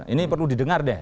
ini perlu didengar deh